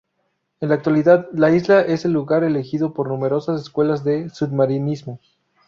En la actualidad, la isla es el lugar elegido por numerosas escuelas de submarinismo.